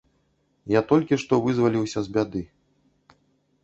Я толькі што вызваліўся з бяды.